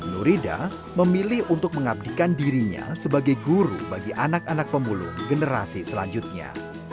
nurida memilih untuk mengabdikan dirinya sebagai guru bagi anak anak pemulung generasi selanjutnya